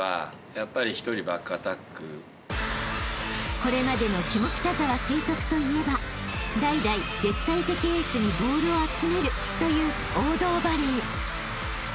［これまでの下北沢成徳といえば代々絶対的エースにボールを集めるという王道バレー］